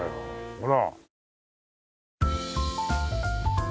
ほら。